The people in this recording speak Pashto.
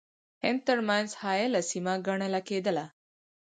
هند ترمنځ حایله سیمه ګڼله کېدله.